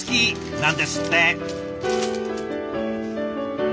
なんですって。